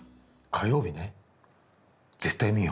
火曜日ね絶対見よう。